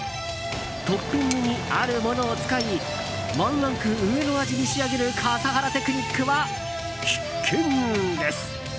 トッピングにあるものを使いワンランク上の味に仕上げる笠原テクニックは必見です。